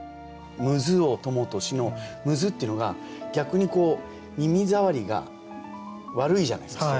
「ムズを朋とし」の「ムズ」っていうのが逆にこう耳ざわりが悪いじゃないですか。